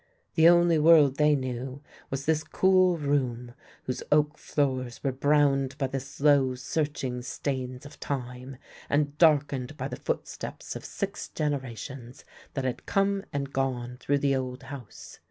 The only world they knew was this cool room, whose oak floors were browned by the slow searching stains of Time, and darkened by the footsteps of six generations that had come and gone through the old house.